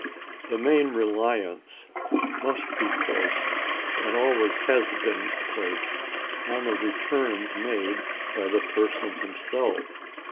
The main reliance must be placed, and always has been placed, on the returns made by the person himself.